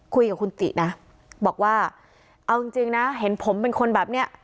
คุยกับคุณตินะบอกว่าเอาจริงนะเห็นผมเป็นคนแบบเนี้ย